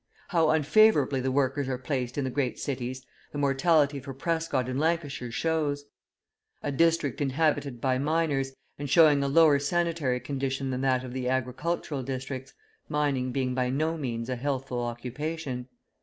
How unfavourably the workers are placed in the great cities, the mortality for Prescott in Lancashire shows: a district inhabited by miners, and showing a lower sanitary condition than that of the agricultural districts, mining being by no means a healthful occupation.